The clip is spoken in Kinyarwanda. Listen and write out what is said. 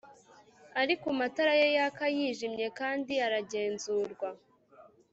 ari kumatara ye yaka yijimye kandi aragenzurwa